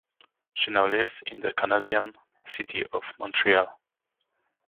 She now lives in the Canadian city of Montreal.